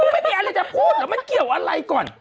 ไม่มีอะไรจะพูดเหรอมันเกี่ยวอะไรก่อน